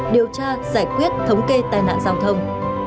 điều tra giải quyết thống kê tai nạn giao thông